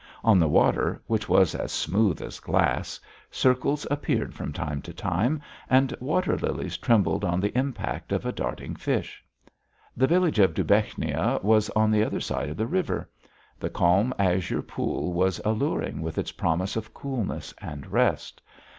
On the water, which was as smooth as glass, circles appeared from time to time, and water lilies trembled on the impact of a darting fish. The village of Dubechnia was on the other side of the river. The calm, azure pool was alluring with its promise of coolness and rest.